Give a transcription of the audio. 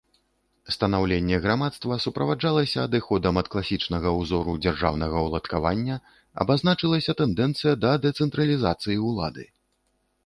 Станаўленне грамадства суправаджалася адыходам ад класічнага ўзору дзяржаўнага ўладкавання, абазначылася тэндэнцыя да дэцэнтралізацыі ўлады.